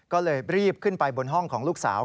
ก็เลยรีบขึ้นไปบนห้องของลูกสาว